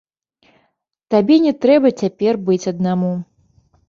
Табе не трэба цяпер быць аднаму.